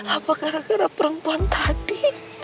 apa gara gara perempuan tadi